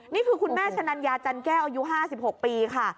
นี่คือคุณแม่ชะนัญญาจันแก้วอายุ๕๖ปีค่ะ